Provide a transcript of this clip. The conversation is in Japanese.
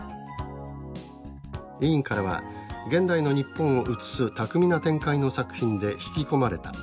委員からは「現代の日本を映す巧みな展開の作品で引き込まれた。